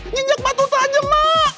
nginjak batu tanya mak